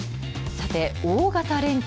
さて大型連休。